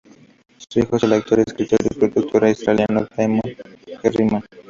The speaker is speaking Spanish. Su hijo es el actor, escritor y productor australiano Damon Herriman.